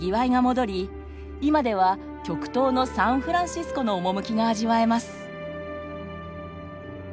いまでは「極東のサンフランシスコ」の趣が味わえます。